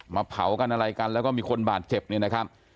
เผากันอะไรกันแล้วก็มีคนบาดเจ็บเนี่ยนะครับ